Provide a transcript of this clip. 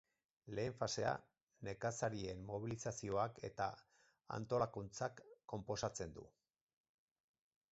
Lehen fasea nekazarien mobilizazioak eta antolakuntzak konposatzen du.